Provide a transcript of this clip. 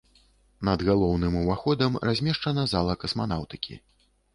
Над галоўным уваходам размешчана зала касманаўтыкі.